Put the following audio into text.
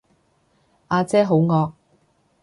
呀姐好惡